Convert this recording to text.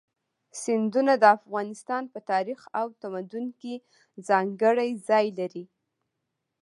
سیندونه د افغانستان په تاریخ او تمدن کې ځانګړی ځای لري.